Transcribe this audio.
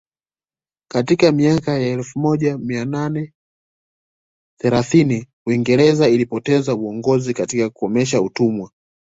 Katika miaka ya elfu moja mia nane thelathini Uingereza ilipoteza uongozi katika kukomesha utumwa